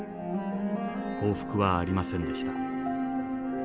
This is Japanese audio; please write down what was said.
降伏はありませんでした。